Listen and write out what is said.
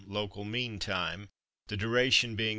local mean time, the duration being 3m.